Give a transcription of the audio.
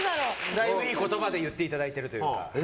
だいぶ、いい言葉で言っていただいているというか。